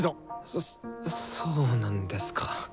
そそうなんですか。